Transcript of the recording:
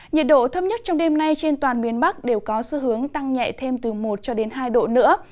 nhiệt độ thấp nhất trong đêm nay trên toàn miền bắc đều có xu hướng tăng nhẹ thêm từ một cho đến hai độ nữa